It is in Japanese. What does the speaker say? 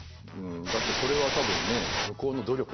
だってそれは多分ね向こうの努力だしね。